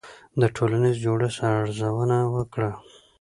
د ټولنیز جوړښت ارزونه وکړه.